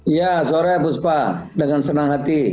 iya sore bu supa dengan senang hati